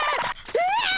うわ！